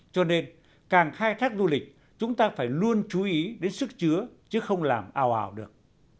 cho nên càng khai thác du lịch chúng ta phải luôn chú ý đến sức chứa chứ không làm ào được